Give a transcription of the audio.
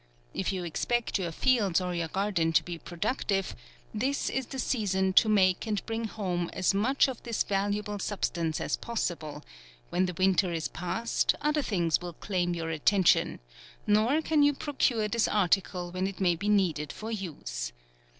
If you expect your fields or your garden to be productive, this it the season to make and bring home as much of this valuable substance as possible ; when the winter is past, other things will claim your attention, nor can you procure this ar ticle when it may be needed for use.